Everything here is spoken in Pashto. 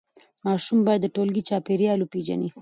ماشوم باید د ټولګي چاپېریال وپیژني.